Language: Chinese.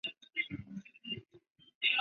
每周六为精彩重播。